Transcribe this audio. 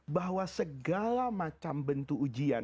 bahwa segala macam bentuk ujian